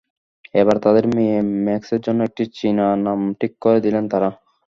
এবারে তাঁদের মেয়ে ম্যাক্সের জন্য একটি চীনা নাম ঠিক করে দিলেন তাঁরা।